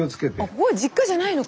ここ実家じゃないのか。